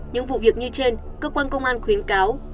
những vụ việc như trên cơ quan công an khuyến cáo